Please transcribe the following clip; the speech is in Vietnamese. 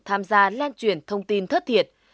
tham gia lan truyền thông tin thất thiệt